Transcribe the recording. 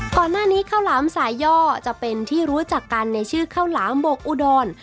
ก่อนหน้านี้ข้าวหลามสายย่อจะเป็นที่รู้จักกันในชื่อข้าวหลามบกอุดร